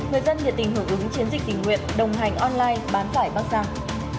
người dân địa tình hưởng ứng chiến dịch tình nguyện đồng hành online bán vải bác giang